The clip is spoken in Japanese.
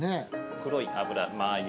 黒い油マー油。